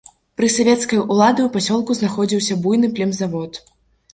Пры савецкай улады ў пасёлку знаходзіўся буйны племзавод.